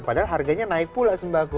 padahal harganya naik pula sembako